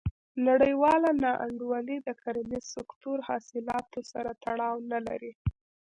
نړیواله نا انډولي د کرنیز سکتور حاصلاتو سره تړاو نه لري.